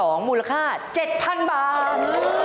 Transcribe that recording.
มูลค่า๗๐๐๐บาท